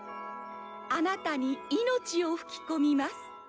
「あなたに命を吹き込みます」